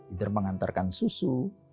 idar mengantarkan susu